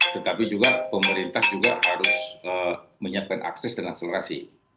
tetapi juga pemerintah juga harus menyiapkan akses dengan selerasi